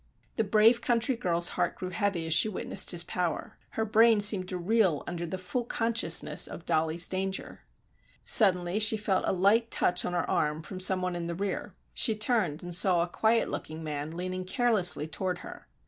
The brave country girl's heart grew heavy as she witnessed his power. Her brain seemed to reel under the full consciousness of Dollie's danger. Suddenly she felt a light touch on her arm from some one in the rear. She turned and saw a quiet looking man leaning carelessly toward her.